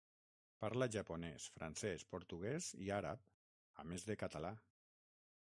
Parla japonès, francès, portuguès i àrab, a més de català.